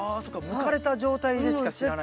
むかれた状態でしか知らないと。